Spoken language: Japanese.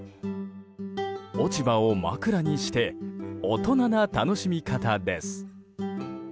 落ち葉を枕にして大人な楽しみ方です。